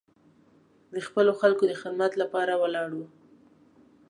د خپلو خلکو د خدمت لپاره ولاړ و.